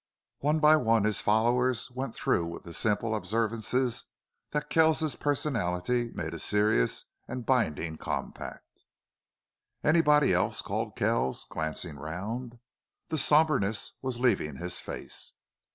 One by one his followers went through with the simple observances that Kells's personality made a serious and binding compact. "Anybody else?" called Kells, glancing round. The somberness was leaving his face.